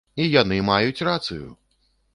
І яны маюць рацыю!